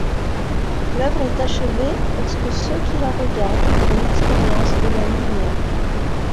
L’œuvre est achevée lorsque ceux qui la regardent font l’expérience de la lumière.